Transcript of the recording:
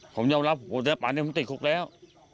ผมยอมรับแต่ป่านี้ผมติดคุกแล้ว